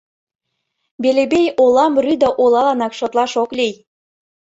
Белебей олам рӱдӧ олаланак шотлаш ок лий.